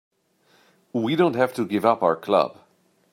We don't have to give up our club.